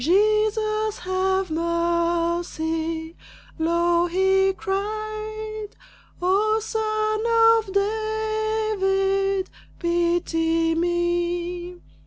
"Jesus, have mercy!" lo, he cried, "Oh, son of David, pity me!"